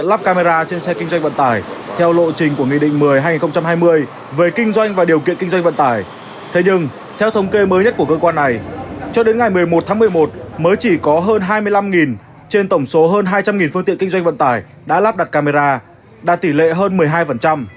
trong thời gian mới nhất của cơ quan này cho đến ngày một mươi một tháng một mươi một mới chỉ có hơn hai mươi năm trên tổng số hơn hai trăm linh phương tiện kinh doanh vận tải đã lắp đặt camera đạt tỷ lệ hơn một mươi hai